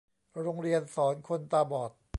โรงเรียนสอนคนตาบอด